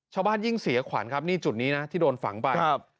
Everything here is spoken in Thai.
ยิ่งเสียขวัญครับนี่จุดนี้นะที่โดนฝังไป